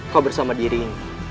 kau bersama diri ini